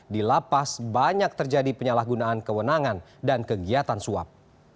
di lapas banyak terjadi penyalahgunaan kewenangan dan kegiatan suap